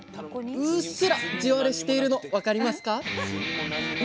うっすら地割れしているの分かりますか？